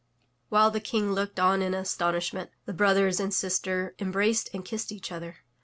While the King looked on in astonishment, the brothers and sister embraced and kissed each other.